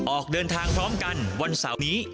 ออกเดินทางพร้อมกันวันเสาร์นี้